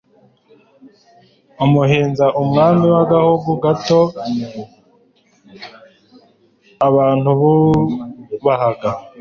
umuhinza umwami w'agahugu gato abantububahaga